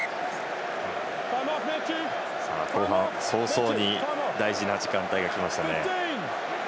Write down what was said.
早々に大事な時間帯が来ましたね。